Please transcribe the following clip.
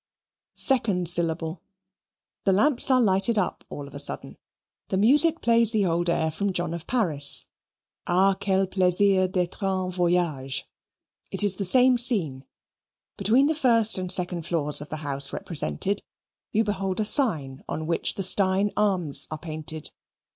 Second syllable. The lamps are lighted up all of a sudden. The music plays the old air from John of Paris, Ah quel plaisir d'etre en voyage. It is the same scene. Between the first and second floors of the house represented, you behold a sign on which the Steyne arms are painted.